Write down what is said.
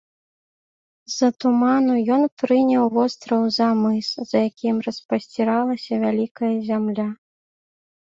З-за туману ён прыняў востраў за мыс, за якім распасціралася вялікая зямля.